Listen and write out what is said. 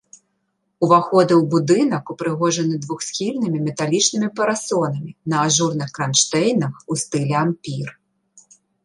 Уваходы ў будынак упрыгожаны двухсхільнымі металічнымі парасонамі на ажурных кранштэйнах у стылі ампір.